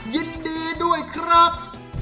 ยินดีด้วยครับ